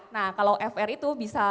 nah kalau fr itu bisa